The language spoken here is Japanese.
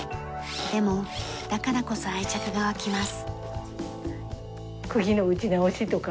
でもだからこそ愛着が湧きます。